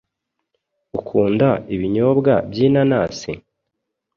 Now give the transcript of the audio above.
Ukunda ibinyobwa by'inanasi?